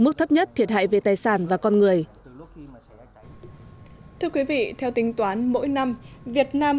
mức thấp nhất thiệt hại về tài sản và con người thưa quý vị theo tính toán mỗi năm việt nam